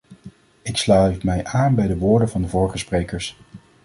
Ik sluit mij aan bij de woorden van de vorige sprekers.